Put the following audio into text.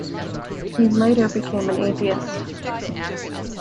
He later became an atheist.